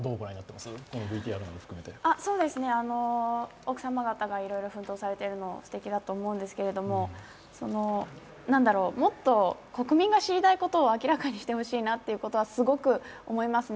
奥様方がいろいろ奮闘されているのはすてきだと思うんですけどもっと国民が知りたいことを明らかにしてほしいなということはすごく思いますね。